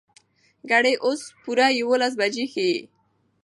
ګړۍ اوس پوره يولس بجې ښيي.